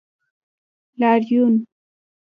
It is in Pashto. لاریون